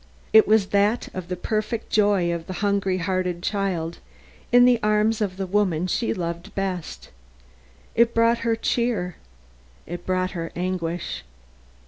It was that of the perfect joy of the hungry hearted child in the arms of the woman she loved best. It brought her cheer it brought her anguish.